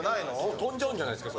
飛んじゃうんじゃないですか？